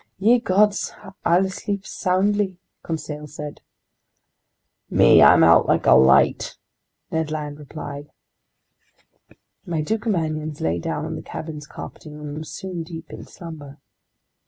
"Ye gods, I'll sleep soundly," Conseil said. "Me, I'm out like a light!" Ned Land replied. My two companions lay down on the cabin's carpeting and were soon deep in slumber.